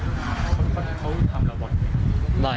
เขาทำระวังไหม